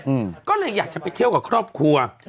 มาจากต่างประเทศก็เลยอยากจะไปเที่ยวกับครอบครัว